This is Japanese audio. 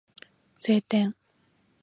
晴天